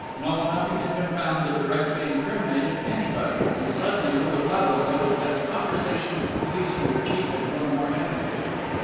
No, nothing had been found that directly incriminated anybody; and suddenly Rouletabille noted that the conversation of the police and their chief had grown more animated.